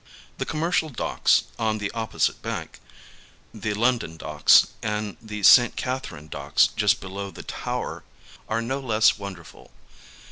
The Commercial Docks, on the opposite bank, the London Docks, and the St. Katharine Docks just below the Tower are no lcs3 wonderful.